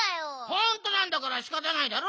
ほんとなんだからしかたないだろ！